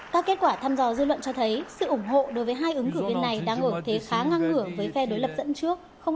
các kết quả thăm dò dư luận cho thấy sự ủng hộ đối với hai ứng cử viên này đang ở thế khá ngang ngửa với tổng thống